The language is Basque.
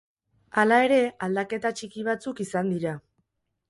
Hala ere, aldaketa txiki batzuk izan dira.